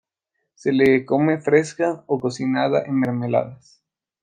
Se le come fresca o cocinada en mermeladas.